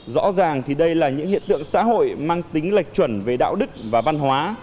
rõ ràng thì đây là những hiện tượng xã hội mang tính lệch chuẩn về đạo đức và văn hóa